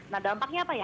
nah dampaknya apa ya